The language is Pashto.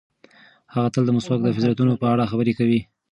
هغه تل د مسواک د فضیلتونو په اړه خبرې کوي.